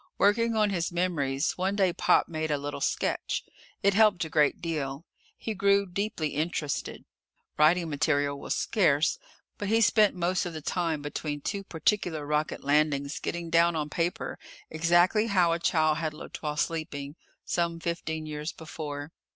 Working on his memories, one day Pop made a little sketch. It helped a great deal. He grew deeply interested. Writing material was scarce, but he spent most of the time between two particular rocket landings getting down on paper exactly how a child had looked while sleeping, some fifteen years before.